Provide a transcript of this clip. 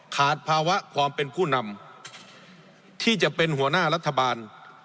ขาดภาวะความเป็นผู้นำที่จะเป็นหัวหน้ารัฐบาล